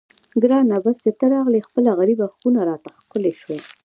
ګرانه بس چې ته راغلې خپله غریبه خونه راته ښکلې شوه.